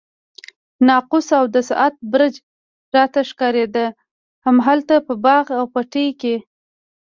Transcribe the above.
ناقوس او د ساعت برج راته ښکارېده، همالته په باغ او پټي کې.